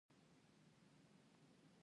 د یووالي او ورورولۍ هیواد.